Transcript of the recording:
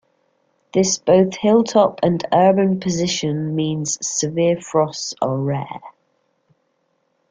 This both hilltop and urban position means severe frosts are rare.